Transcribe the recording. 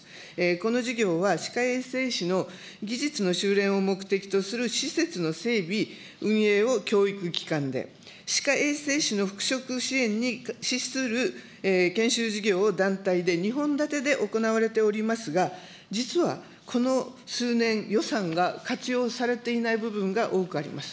この事業は、歯科衛生士の技術の修練を目的とする施設の整備、運営を教育機関で、歯科衛生士の復職支援に資する研修事業を団体で、２本立てで行われておりますが、実はこの数年、予算が活用されていない部分が多くあります。